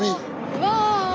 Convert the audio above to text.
うわ！